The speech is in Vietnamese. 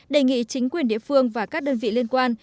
đề nghị chính quyền địa phương và các đơn vị liên quan